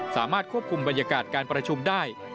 สามารถควบคุมบรรยากาศการประชุมได้